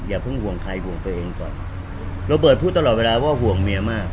อย่าเพิ่งห่วงใครห่วงตัวเองก่อนโรเบิร์ตพูดตลอดเวลาว่าห่วงเมียมาก